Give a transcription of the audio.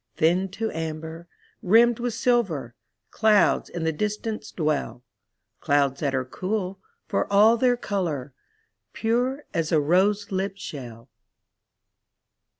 Thinned to amber, rimmed with silver, Clouds in the distance dwell. Clouds that are cool, for all their color. Pure as a rose lipped shell.